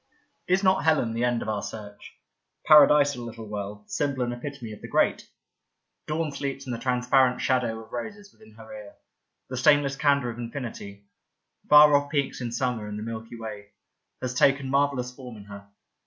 " Is not Helen the end of our search — paradisal little World, symbol and epitome of the Great ? Dawn sleeps in the transparent shadow of roses within her ear. The stainless candour of infinity — far off peaks in summer and the Milky Way — ^has taken marvellous form in her.